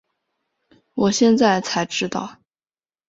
我现在才知道